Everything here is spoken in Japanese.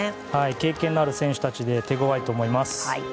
経験のある選手たちで手ごわいと思います。